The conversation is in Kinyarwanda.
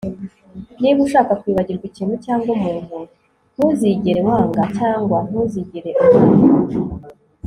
niba ushaka kwibagirwa ikintu cyangwa umuntu, ntuzigere wanga, cyangwa ntuzigera umwanga